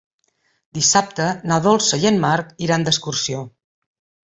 Dissabte na Dolça i en Marc iran d'excursió.